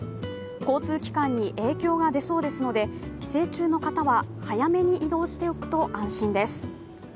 交通機関に影響が出そうですので帰省中の方は早めに移動しておくと安心です。